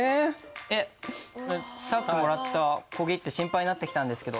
えっさっきもらった小切手心配になってきたんですけど。